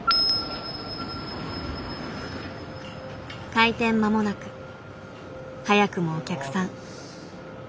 開店間もなく早くもお客さん。